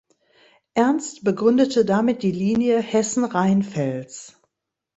Ernst begründete damit die Linie Hessen-Rheinfels.